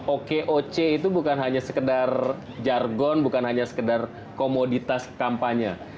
okoc itu bukan hanya sekedar jargon bukan hanya sekedar komoditas kampanye